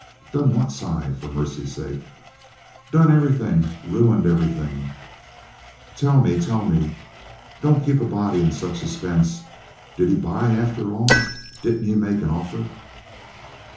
"Done what Si for mercy's sake!" "Done everything! Ruined everything!" "Tell me, tell me, tell me! Don't keep a body in such suspense. Didn't he buy, after all? Didn't he make an offer?"